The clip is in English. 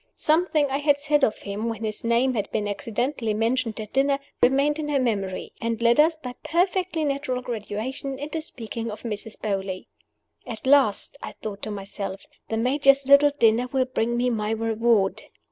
Something I had said of him, when his name had been accidentally mentioned at dinner, remained in her memory, and led us, by perfectly natural gradations, into speaking of Mrs. Beauly. "At last," I thought to myself, "the Major's little dinner will bring me my reward!"